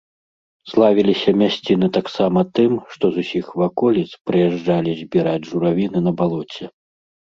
Славіліся мясціны таксама тым, што з усіх ваколіц прыязджалі збіраць журавіны на балоце.